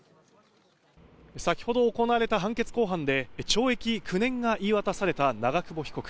先ほど行われた判決公判で懲役９年が言い渡された長久保被告。